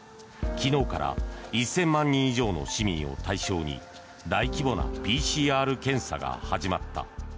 昨日から１０００万人以上の市民を対象に大規模なＰＣＲ検査が始まった。